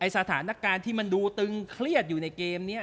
สถานการณ์ที่มันดูตึงเครียดอยู่ในเกมนี้